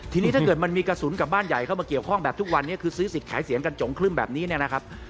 ทีนี้ถ้าเกิดมันมีกระสุนกับบ้านใหญ่เข้ามาเกี่ยวข้องแบบทุกวันนี้คือซื้อสิทธิ์ขายเสียงกันจงครึ่มแบบนี้เนี่ยนะครับ